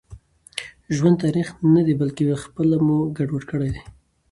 ژوند تريخ ندي بلکي خپله مو ګډوډ کړي دي